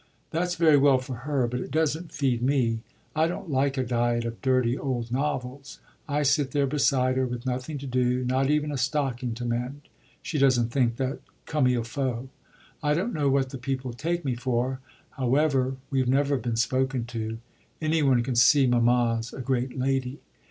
That's very well for her, but it doesn't feed me. I don't like a diet of dirty old novels. I sit there beside her with nothing to do, not even a stocking to mend; she doesn't think that comme il faut. I don't know what the people take me for. However, we've never been spoken to: any one can see mamma's a great lady.